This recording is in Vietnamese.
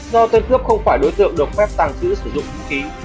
do tên cướp không phải đối tượng được phép tàng trữ sử dụng vũ khí